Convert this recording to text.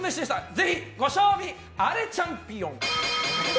ぜひ、ご賞味あれチャンピオン！